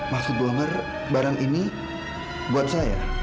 maksud bu ambar barang ini buat saya